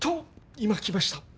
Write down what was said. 今きました。